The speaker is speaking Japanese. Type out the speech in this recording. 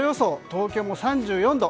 東京も３４度。